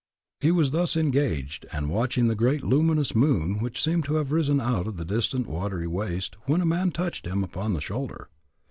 He was thus engaged, and watching the great luminous moon which seemed to have risen out of the distant watery waste, when a man touched him upon the shoulder.